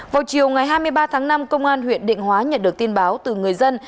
vào chiều ngày hai mươi ba tháng năm công an huyện định hóa nhận được tin báo từ người dân